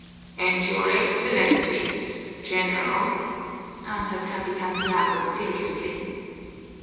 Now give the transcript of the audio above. "And your Excellency's, General," answered Capitan Tiago seriously.